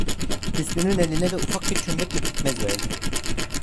Hüsnü'nün eline de ufak bir çömlekle pekmez verdi.